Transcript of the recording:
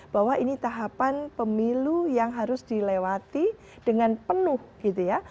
bahwa ini tahapan pemilu yang harus dilewati dengan penuh gitu ya